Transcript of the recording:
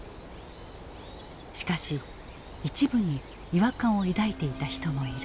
しかし一部に違和感を抱いていた人もいる。